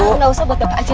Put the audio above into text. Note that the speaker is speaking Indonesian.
nggak usah buat bapak aja